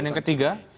dan yang ketiga